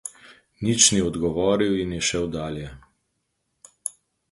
Nič ni odgovoril in je šel dalje.